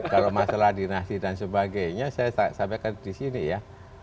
kalau masalah dinasti dan sebagainya saya sampaikan di sini ya